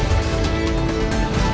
ya itu ah